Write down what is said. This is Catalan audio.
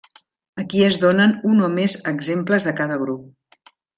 Aquí es donen un o més exemples de cada grup.